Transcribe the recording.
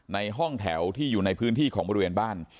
ในห้องแถวที่อยู่ในพื้นที่ของบริเวณบ้าน